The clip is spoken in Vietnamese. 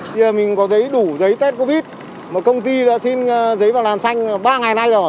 bây giờ mình có giấy đủ giấy test covid một công ty đã xin giấy vào làn xanh ba ngày nay rồi